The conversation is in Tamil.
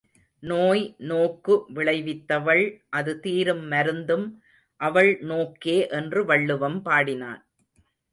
நோய் நோக்கு விளைவித்தவள் அது தீரும் மருந்தும் அவள் நோக்கே என்று வள்ளுவம் பாடினான்.